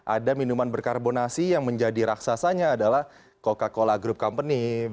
ada minuman berkarbonasi yang menjadi raksasanya adalah coca cola group company